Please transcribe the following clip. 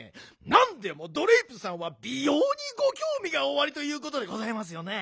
なんでもドレープさんはびようにごきょうみがおありということでございますよね？」。